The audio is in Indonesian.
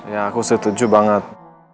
ya aku setuju banget